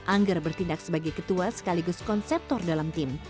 angger bertindak sebagai ketua sekaligus konseptor dalam tim